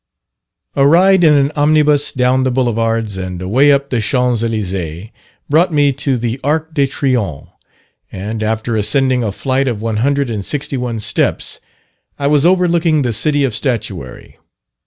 A ride in an omnibus down the Boulevards, and away up the Champs Elysees, brought me to the Arc de Triomphe; and after ascending a flight of one hundred and sixty one steps, I was overlooking the city of statuary.